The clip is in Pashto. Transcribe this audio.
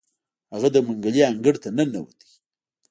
هغه د منګلي انګړ ته ننوت.